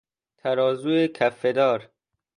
ترازو کفهدار